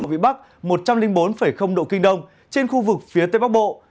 vị bắc một trăm linh bốn độ kinh đông trên khu vực phía tây bắc bộ